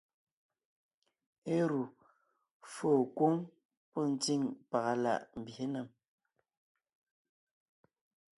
Éru fô kwóŋ pɔ́ ntsíŋ pàga láʼ mbyě nèm;